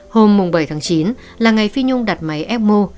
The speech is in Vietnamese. hôm bảy tháng chín là ngày phi nhung đặt máy ecmo